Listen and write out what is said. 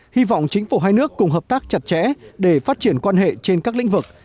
hy vọng chính phủ hai nước cùng hợp tác chặt chẽ để phát triển quan hệ trên các lĩnh vực